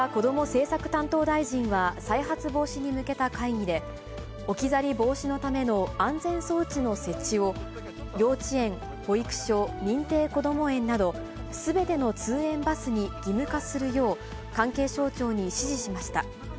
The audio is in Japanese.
政策担当大臣は、再発防止に向けた会議で、置き去り防止のための安全装置の設置を、幼稚園、保育所、認定こども園など、すべての通園バスに義務化するよう、関係省庁に指示しました。